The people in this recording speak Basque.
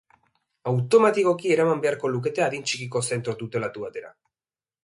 Automatikoki eraman beharko lukete adin txikiko zentro tutelatu batera.